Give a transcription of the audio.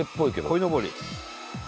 こいのぼり！